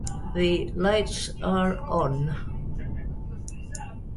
Edey grew up playing baseball and ice hockey.